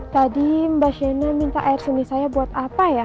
tadi mbak shienna minta air seni saya buat apa ya